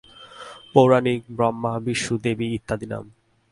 পৌরাণিক ব্রহ্মা, বিষ্ণু, দেবী ইত্যাদি নাম।